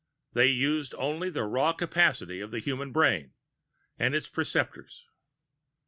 They used only the raw capacity of the human brain and its perceptors.